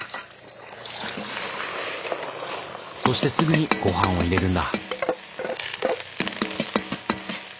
そしてすぐにごはんを入れるんだ。